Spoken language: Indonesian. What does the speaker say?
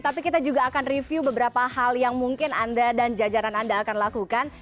tapi kita juga akan review beberapa hal yang mungkin anda dan jajaran anda akan lakukan